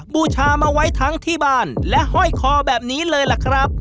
บูชามาไว้ทั้งที่บ้านและห้อยคอแบบนี้เลยล่ะครับ